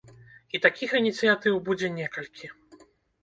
І такіх ініцыятыў будзе некалькі.